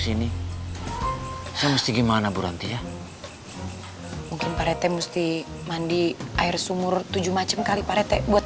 ini saya mesti gimana bu ranti ya mungkin pareteh mesti mandi air sumur tujuh macam kali pareteh buat